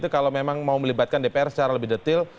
kalau memang mau melibatkan dpr secara lebih detil